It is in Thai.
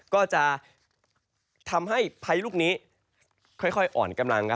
ก็จะทำให้พายุลูกนี้ค่อยอ่อนกำลัง